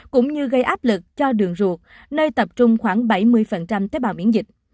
cũng như gây áp lực cho đường ruột nơi tập trung khoảng bảy mươi tế bào miễn dịch